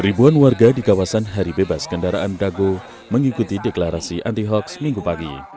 ribuan warga di kawasan hari bebas kendaraan dago mengikuti deklarasi anti hoax minggu pagi